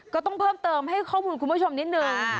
ก็ต้องเพิ่มเติมให้ข้อมูลคุณผู้ชมนิดนึง